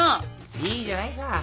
いいじゃないか。